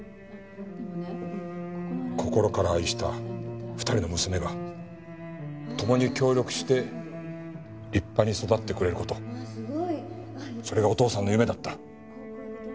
心から愛した２人の娘がともに協力して立派に育ってくれる事それがお父さんの夢だった。